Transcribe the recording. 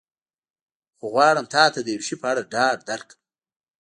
خو غواړم تا ته د یو شي په اړه ډاډ درکړم.